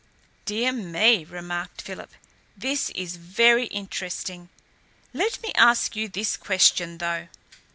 "Dear me," remarked Philip, "this is very interesting. Let me ask you this question, though.